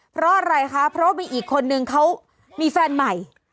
เพราะอะไรคะเพราะว่ามีอีกคนนึงเขามีแฟนใหม่